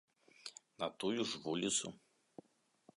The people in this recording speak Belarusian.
На тую ж вуліцу.